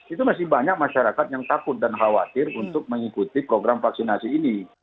itu masih banyak masyarakat yang takut dan khawatir untuk mengikuti program vaksinasi ini